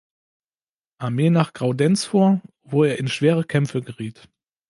Armee nach Graudenz vor, wo er in schwere Kämpfe geriet.